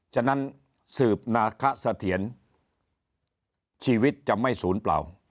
ฉะนั้นสืบนาคสะเทียนชีวิตจะไม่ศูนย์เปล่า